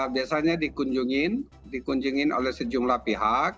biasanya dikunjungin dikunjungin oleh sejumlah pihak